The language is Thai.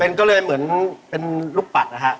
เป็นก็เลยเหมือนเป็นลูกปัดนะฮะ